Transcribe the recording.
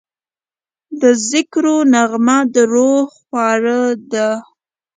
د ذکرو نغمه د روح خواړه ده.